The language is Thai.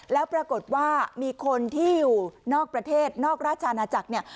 แล้วปรากฏว่ามีคนที่อยู่นอกประเทศนอกราชอาณาจักรเนี่ย